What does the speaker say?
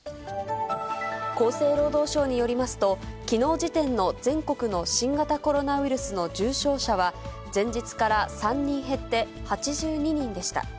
厚生労働省によりますと、きのう時点の全国の新型コロナウイルスの重症者は、前日から３人減って、８２人でした。